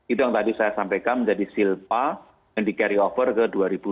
itu yang tadi saya sampaikan menjadi silpa yang di carry over ke dua ribu dua puluh